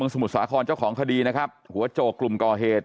ของพมศสหราคลเจ้าของคดีหัวโจรกลุ่มก่อเหตุ